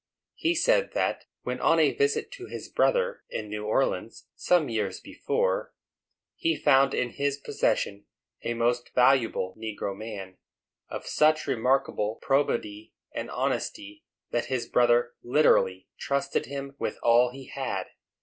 He said that, when on a visit to his brother, in New Orleans, some years before, he found in his possession a most valuable negro man, of such remarkable probity and honesty that his brother literally trusted him with all he had.